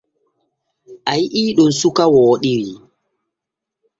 A yi’ii ɗon suka wooɗiri.